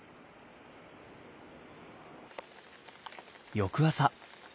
翌朝。